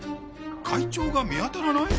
会長が見当たらない？